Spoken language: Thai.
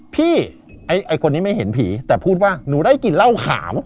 พี่ไอ้คนนี้ไม่เห็นผีแต่พูดว่าหนูได้กลิ่นเหล้าขาว